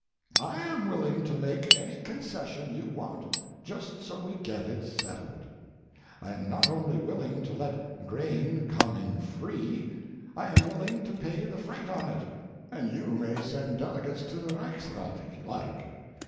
I am willing to make any concession you want, just so we get it settled. I am not only willing to let grain come in free, I am willing to pay the freight on it, and you may send delegates to the Reichsrath if you like.